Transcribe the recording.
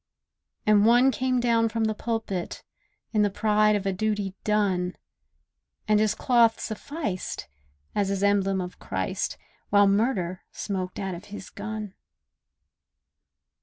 And one came down from the pulpit, In the pride of a duty done, And his cloth sufficed, as his emblem of Christ, While murder smoked out of his gun.